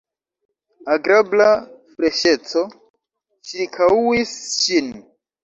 Agrabla freŝeco ĉirkaŭis ŝin.